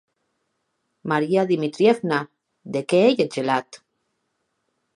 Maria Dmitrievna, de qué ei eth gelat?